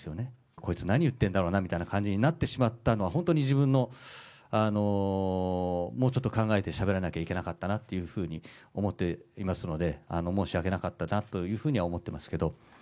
こいつ、何言ってるんだろうなっていう感じになってしまったのは、本当に自分の、もうちょっと考えてしゃべらなきゃいけなかったなっていうふうに思っていますので、申し訳なかったなというふうには思ってますけど。